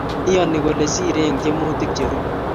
Iyani kole siirei eng tyemutik cherube